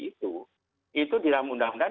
itu itu dalam undang undang